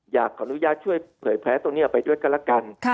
อยากขออนุญาตช่วยเผยแพ้ตรงนี้ออกไปด้วยกันละกัน